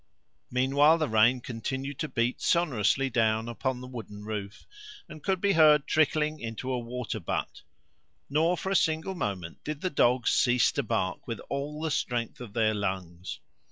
Meanwhile the rain continued to beat sonorously down upon the wooden roof, and could be heard trickling into a water butt; nor for a single moment did the dogs cease to bark with all the strength of their lungs.